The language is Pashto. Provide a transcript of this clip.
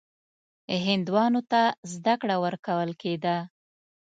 هندوانو ته زده کړه ورکول کېده.